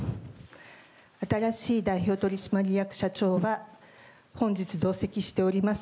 新しい代表取締役社長は、本日同席しております